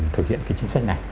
thực hiện cái chính sách này